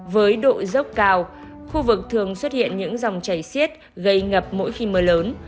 với độ dốc cao khu vực thường xuất hiện những dòng chảy xiết gây ngập mỗi khi mưa lớn